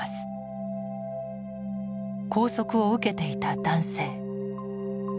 拘束を受けていた男性。